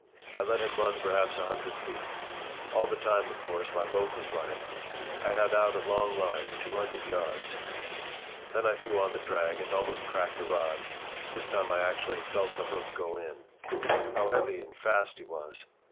I let him run perhaps a hundred feet. All the time, of course, my boat was running. I had out a long line—two hundred yards. Then I threw on the drag and almost cracked the rod. This time I actually felt the hook go in. How heavy and fast he was!